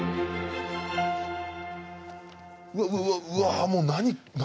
うわうわうわうわ